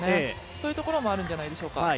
そういうところもあるんじゃないでしょうか。